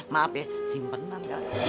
maaf ya simpenan